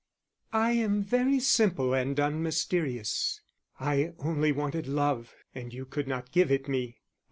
I am very simple and unmysterious. I only wanted love, and you could not give it me.